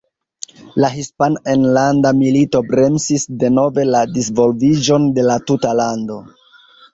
La Hispana Enlanda Milito bremsis denove la disvolviĝon de la tuta lando.